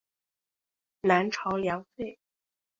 南朝梁废。